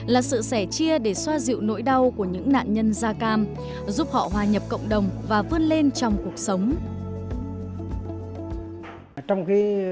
là sự sẻ chia để xoa dịu nỗi đau của những nạn nhân da cam giúp họ hòa nhập cộng đồng và vươn lên trong cuộc sống